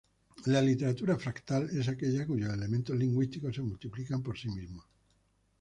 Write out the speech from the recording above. La literatura Fractal es aquella cuyos elementos lingüísticos se multiplican por sí mismos.